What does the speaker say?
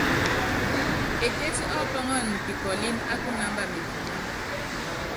Etéti ɔ́pɔ́ŋɔn pikɔlɛ́n á kunamba mepuŋú.